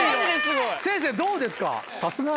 ・先生どうですか？